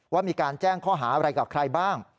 ว่ามีการแจ้งข้อหาอะไรกับใครบ้าง